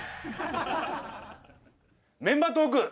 メンバートーク！